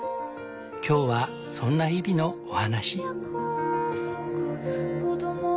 今日はそんな日々のお話。